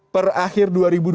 per akhir dua ribu dua puluh